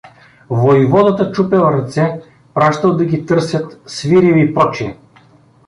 Войводата чупел ръце, пращал да ги търсят, свирил и пр.